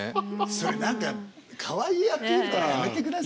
それ何かかわいいアピールとかやめてくださいよ。